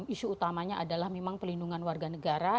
isu utamanya adalah memang pelindungan warga negara